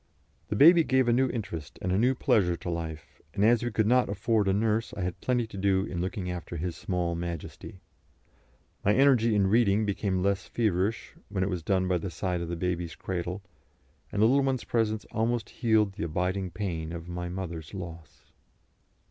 The baby gave a new interest and a new pleasure to life, and as we could not afford a nurse I had plenty to do in looking after his small majesty. My energy in reading became less feverish when it was done by the side of the baby's cradle, and the little one's presence almost healed the abiding pain of my mother's loss.